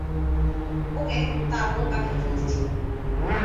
ওকে, তালগোল পাকিয়ে ফেলেছি।